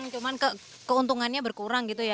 cuman keuntungannya berkurang gitu ya